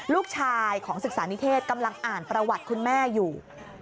ลูกชายของศึกษานิเทศกำลังอ่านประวัติคุณแม่อยู่